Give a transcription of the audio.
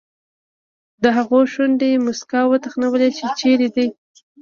د هغه شونډې موسکا وتخنولې چې چېرته دی.